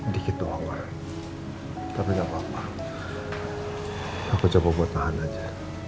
dikit doang ma tapi nggak apa apa aku coba buat tahan aja